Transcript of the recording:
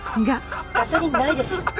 ガソリンないですよ。